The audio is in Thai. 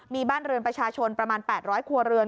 มีบ้านเรือนประชาชนประมาณ๘๐๐ครัวเรือน